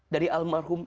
dari almarhum itu